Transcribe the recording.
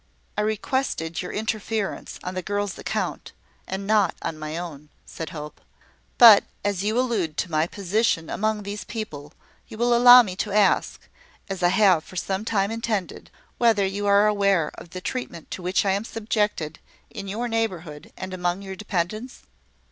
"I requested your interference on the girl's account, and not on my own," said Hope. "But as you allude to my position among these people, you will allow me to ask, as I have for some time intended, whether you are aware of the treatment to which I am subjected, in your neighbourhood, and among your dependants?"